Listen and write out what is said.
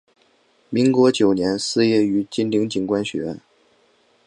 民国九年肄业于金陵警官学校。